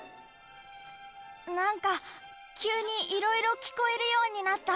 なんか、急にいろいろ聞こえるようになった。